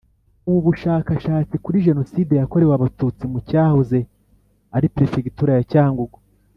Ubu bushakashatsi kuri Jenoside yakorewe Abatutsi mu cyahoze ari perefegitura ya cyangugu